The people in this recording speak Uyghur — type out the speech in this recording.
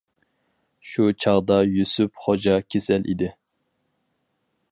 شۇ چاغدا يۈسۈپ خوجا كېسەل ئىدى.